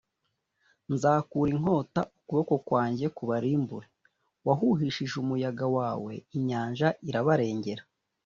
nzakura inkota, ukuboko kwanjye kubarimbure.’ wahuhishije umuyaga wawe inyanja irabarengera: